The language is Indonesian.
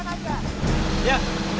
lu mau ke iban aja